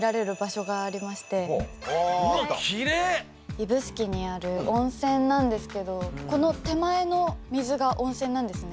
指宿にある温泉なんですけどこの手前の水が温泉なんですね。